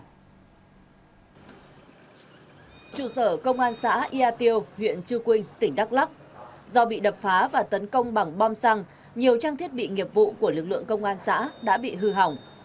trụ sở công an xã ia tiêu huyện chư quynh tỉnh đắk lắc do bị đập phá và tấn công bằng bom xăng nhiều trang thiết bị nghiệp vụ của lực lượng công an xã đã bị hư hỏng